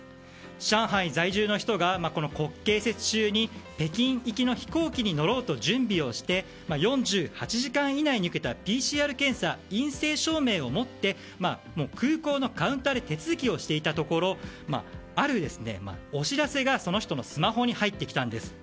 上海在住の人が国慶節中に北京行きの飛行機に乗ろうと準備をして４８時間以内に受けたＰＣＲ検査の陰性証明を持って空港のカウンターで手続きをしていたところあるお知らせが、その人のスマホに入ってきたんです。